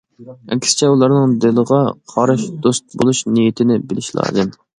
ئەكسىچە ئۇلارنىڭ دىلىغا قاراش، دوست بولۇش نىيىتىنى بىلىش لازىم.